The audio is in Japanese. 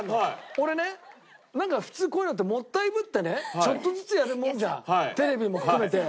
俺ねなんか普通こういうのってもったいぶってねちょっとずつやるもんじゃんテレビも含めて。